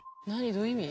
どういう意味？